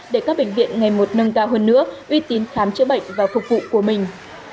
để các bệnh viện ngày một nâng cao hơn nữa uy tín khám chữa bệnh và phục vụ của mình